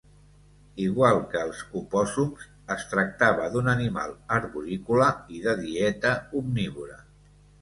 Igual que els opòssums, es tractava d'un animal arborícola i de dieta omnívora.